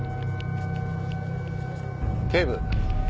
警部。